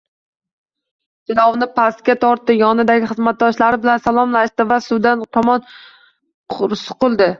Jilovni pastga tortdi yonidagi xizmatdoshlari bilan salomlashdi va suvdon tomon suqildi